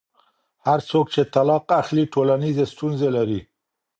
هغه څوک چې طلاق اخلي ټولنیزې ستونزې لري.